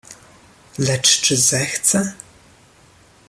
"Lecz czy zechce?"